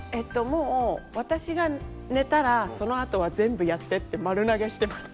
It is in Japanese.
もう私が寝たらそのあとは全部やってって丸投げしてます。